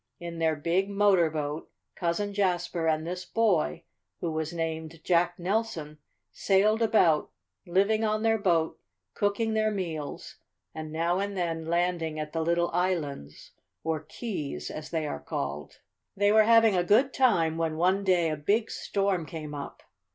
In their big motor boat Cousin Jasper and this boy, who was named Jack Nelson, sailed about, living on their boat, cooking their meals, and now and then landing at the little islands, or keys, as they are called. "They were having a good time when one day a big storm came up.